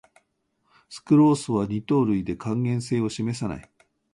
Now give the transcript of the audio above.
スクロースは二糖類で還元性を示さない